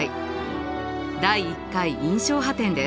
第１回印象派展です。